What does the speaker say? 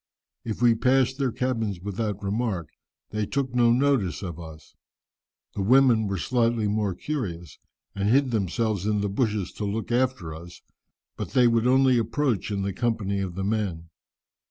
If we passed their cabins without remark, they took no notice of us. The women were slightly more curious, and hid themselves in the bushes to look after us, but they would only approach in the company of the men.